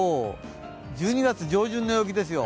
１２月上旬の陽気ですよ。